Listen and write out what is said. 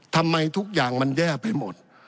ทำไมทุกอย่างมันแย่ไปหมด